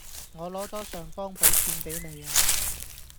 我攞咗尚方寶劍畀你呀